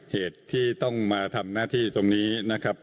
เหตุที่ต้องมาทำหน้าที่ตรงนี้นะครับ